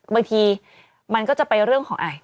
บางทีมันก็จะไปเรื่องของไอ